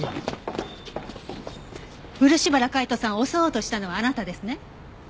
漆原海斗さんを襲おうとしたのはあなたですね？